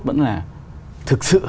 vẫn là thực sự